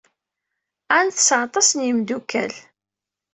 Ann tesɛa aṭas n yimeddukal.